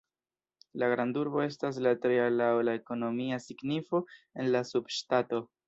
La grandurbo estas la tria laŭ la ekonomia signifo en la subŝtato.